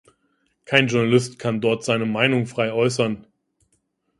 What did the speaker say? Kein Journalist kann dort seine Meinung frei äußern.